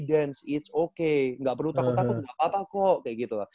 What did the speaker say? lu itu main confidence it s okay gak perlu takut takut gak apa apa kok kayak gitu loh